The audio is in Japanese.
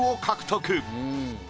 獲得。